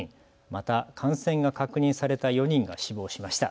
また感染が確認された４人が死亡しました。